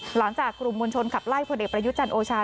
หลังจากกลุ่มมวลชนขับไล่พลเอกประยุจันทร์โอชา